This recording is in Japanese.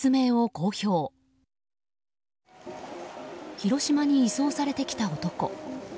広島に移送されてきた男。